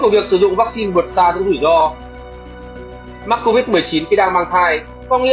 mặc dù vaccine covid một mươi chín là mới